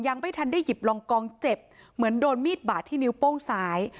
ยังไม่ทันได้หยิบลองกองเจ็บเหมือนโดนมีดบาดที่นิ้วโป้งซ้าย